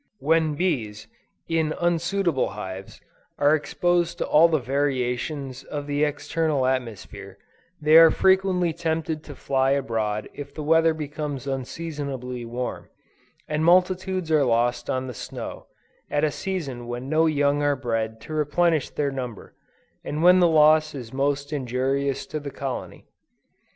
When bees, in unsuitable hives, are exposed to all the variations of the external atmosphere, they are frequently tempted to fly abroad if the weather becomes unseasonably warm, and multitudes are lost on the snow, at a season when no young are bred to replenish their number, and when the loss is most injurious to the colony.